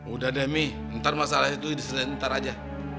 udah deh mi ntar masalah itu diselain ntar aja